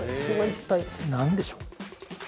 それは一体何でしょう